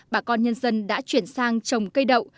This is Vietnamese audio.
bà con nhân dân đã chuyển sang trồng cây đậu